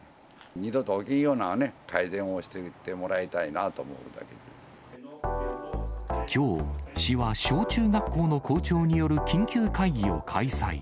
二度と起きないような改善をしていってもらいたいなと思うだけできょう、市は小中学校の校長による緊急会議を開催。